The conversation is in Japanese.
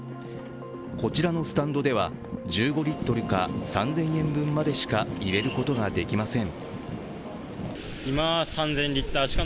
こちらのスタンドでは１５リットルか３０００円分までしか入れることができません。